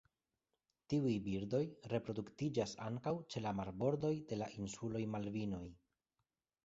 Tiuj birdoj reproduktiĝas ankaŭ ĉe la marbordoj de la insuloj Malvinoj.